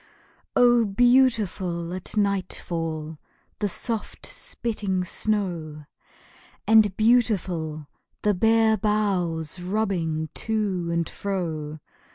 Oh, beautiful at nightfall The soft spitting snow! And beautiful the bare boughs Rubbing to and fro!